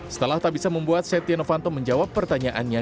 setelah tak bisa membuat setia novanto menjawab pertanyaannya